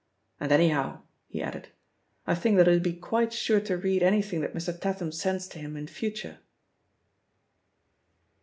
And anyhow/' he added, ''I think that he'll be quite sure to read anything that Mr. Tatham tends to him in for ture.